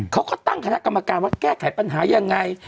เขาก็ตั้งคณะกรรมการว่าแก้ไขปัญหายังไง